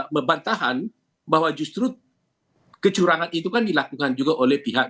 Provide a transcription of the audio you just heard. membantahan bahwa justru kecurangan itu kan dilakukan juga oleh pihak